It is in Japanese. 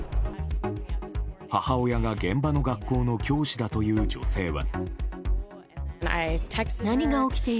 母親が現場の学校の教師だという女性は。